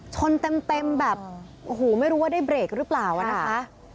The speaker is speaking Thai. ชนเต็มแบบโอ้โหไม่รู้ว่าได้เบรกหรือเปล่าอะนะคะ